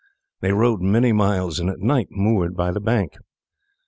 They rowed many miles, and at night moored by the bank.